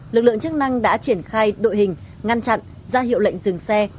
lực lượng chức năng đã triển khai đội hình ngăn chặn ra hiệu lệnh dừng xe